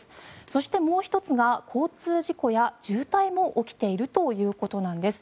そしてもう１つが交通事故や渋滞も起きているということなんです。